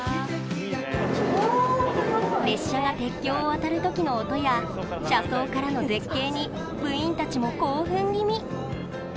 列車が鉄橋を渡るときの音や車窓からの絶景に部員たちも興奮気味！